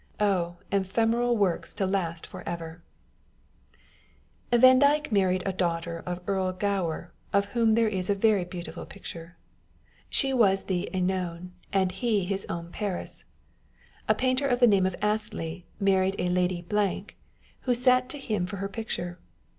Oh ! ephemeral works to last for ever ! Vandyke married a daughter of Earl Gower, of whom there is a very beautiful picture. She was the (Enone, and he his own Paris. A painter of the name of Astley married a Lady , who sat to him for her picture.